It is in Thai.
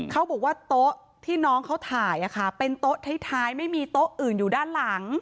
เขาบอกว่าโต๊ะที่น้องเขาถ่ายเป็นโต๊ะท้ายไม่มีโต๊ะอื่นอยู่ด้านหลัง